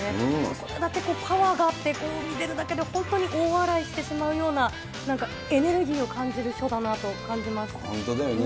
それだけパワーがあって、見てるだけで本当に大笑いしてしまうような、なんかエネルギーを感じる本当だよね。